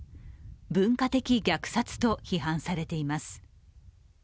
文化的虐殺と批判されています。